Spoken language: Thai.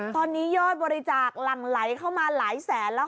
ตอนนี้ยอดบริจาคหลั่งไหลเข้ามาหลายแสนแล้ว